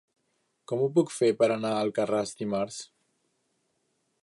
Com ho puc fer per anar a Alcarràs dimarts?